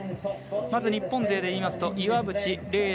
日本勢でいいますと岩渕麗